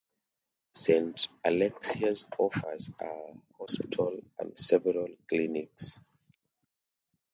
Saint Alexius offers a hospital and several clinics.